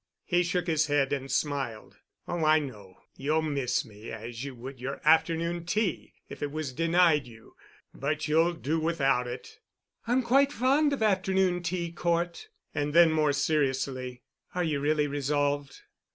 He shook his head and smiled. "Oh, I know—you'll miss me as you would your afternoon tea if it was denied you—but you'll do without it." "I'm quite fond of afternoon tea, Cort." And then, more seriously, "Are you really resolved?"